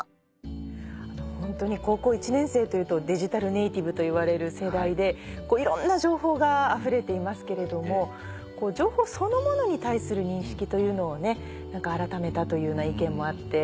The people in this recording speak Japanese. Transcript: ホントに高校１年生というとデジタルネーティブといわれる世代でいろんな情報があふれていますけれども情報そのものに対する認識というのを改めたというような意見もあって。